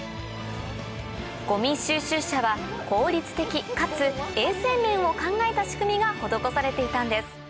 ごみ収集車は効率的かつ衛生面を考えた仕組みが施されていたんです